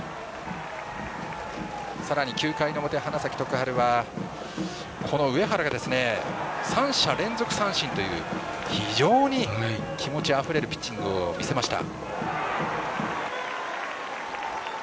さらに９回の表、花咲徳栄は上原が３者連続三振という非常に気持ちあふれるピッチングを見せました。